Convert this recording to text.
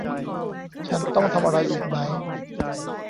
ฉันต้องทำอะไรอีกไหม